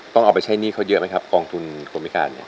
ต้องเอาไปใช้หนี้เขาเยอะไหมครับกองทุนคนพิการเนี่ย